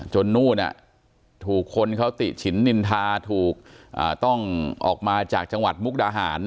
นู่นถูกคนเขาติฉินนินทาถูกต้องออกมาจากจังหวัดมุกดาหาร